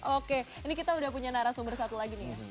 oke ini kita udah punya narasumber satu lagi nih ya